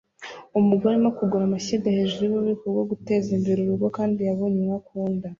Umugore arimo kugura amashyiga hejuru yububiko bwo gutezimbere urugo kandi yabonye imwe akunda